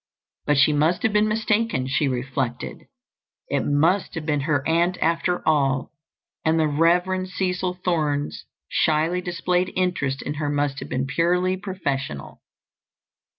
But she must have been mistaken, she reflected; it must have been her aunt after all, and the Rev. Cecil Thorne's shyly displayed interest in her must have been purely professional.